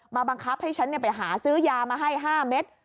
บังคับให้ฉันไปหาซื้อยามาให้๕เม็ด